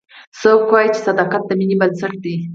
څوک وایي چې صداقت د مینې بنسټ ده